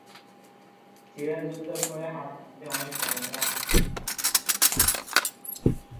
ক্যান্সারের ধরন ও আকারের উপর এর চিকিৎসা নির্ভর করে।